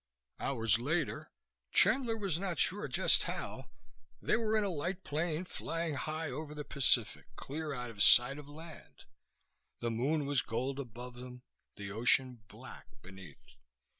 Hours later, Chandler was not sure just how, they were in a light plane flying high over the Pacific, clear out of sight of land. The moon was gold above them, the ocean black beneath.